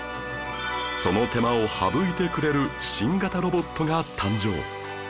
その手間を省いてくれる新型ロボットが誕生